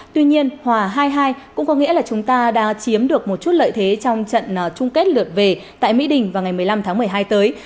tuy nhiên hòa hai cũng có nghĩa là chúng ta đã chiếm được một chút lợi thế trong trận chung kết lượt về tại mỹ đình vào ngày một mươi năm tháng một mươi hai tới